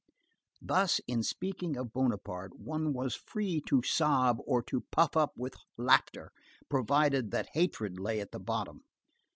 Thus, in speaking of Bonaparte, one was free to sob or to puff up with laughter, provided that hatred lay at the bottom.